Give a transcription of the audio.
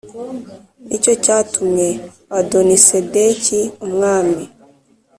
Ni cyo cyatumye Adonisedeki umwami